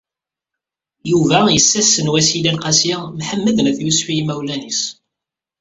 Yuba yessasen Wasila n Qasi Mḥemmed n At Yusef i imawlan-is.